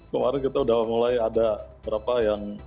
kemarin kita sudah mulai ada berapa yang